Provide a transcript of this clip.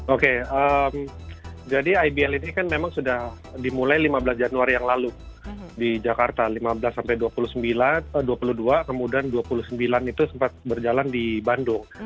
oke jadi ibl ini kan memang sudah dimulai lima belas januari yang lalu di jakarta lima belas sampai dua puluh sembilan dua puluh dua kemudian dua puluh sembilan itu sempat berjalan di bandung